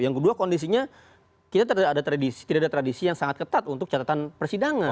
yang kedua kondisinya kita tidak ada tradisi yang sangat ketat untuk catatan persidangan